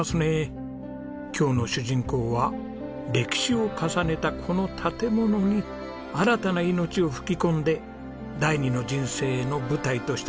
今日の主人公は歴史を重ねたこの建物に新たな命を吹き込んで第二の人生の舞台とした方なんです。